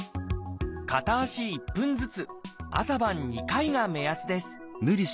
片足１分ずつ朝晩２回が目安です